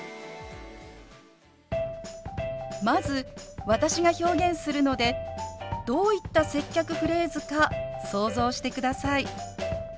まず私が表現するのでどういった接客フレーズか想像してください。